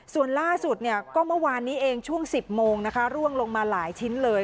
ส่วนล่าสุดเนี่ยก็เมื่อวานนี้เองช่วง๑๐โมงนะคะร่วงลงมาหลายชิ้นเลย